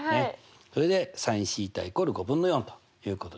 それでｓｉｎθ＝５分の４ということですね。